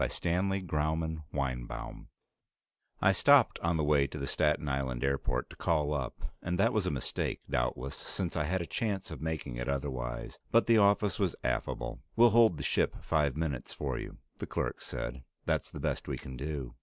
THE WORLDS OF IF I stopped on the way to the Staten Island Airport to call up, and that was a mistake, doubtless, since I had a chance of making it otherwise. But the office was affable. "We'll hold the ship five minutes for you," the clerk said. "That's the best we can do."